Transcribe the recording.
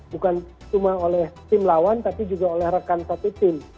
bukan cuma oleh tim lawan tapi juga oleh rekan satu tim